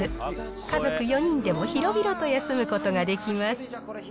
家族４人でも広々と休むことができます。